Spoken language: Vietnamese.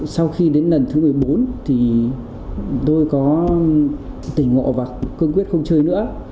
sau khi đến lần thứ một mươi bốn thì tôi có tỉnh ngộ và cương quyết không chơi nữa